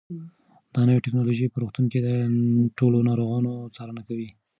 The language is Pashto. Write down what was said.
دا نوې ټیکنالوژي په روغتونونو کې د ټولو ناروغانو څارنه کوي.